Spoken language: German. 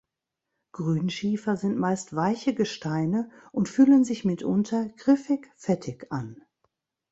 Grünschiefer sind meist weiche Gesteine und fühlen sich mitunter griffig-fettig an.